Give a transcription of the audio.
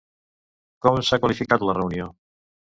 Com s'ha qualificat la reunió?